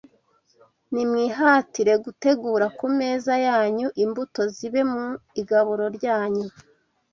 Nimwihatire gutegura ku meza yanyu imbuto, zibe mu igaburo ryanyu